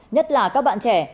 nhất là các bạn trẻ